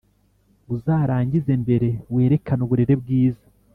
Uzarangize mbere, werekane uburere bwiza,